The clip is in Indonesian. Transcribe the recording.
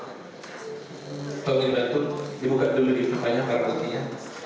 kalau mau dibantu dibuka dulu di rumahnya para lelaki ya